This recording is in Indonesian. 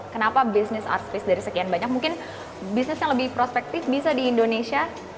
kenapa bisnis art space dari sekian banyak mungkin bisnis yang lebih prospektif bisa di indonesia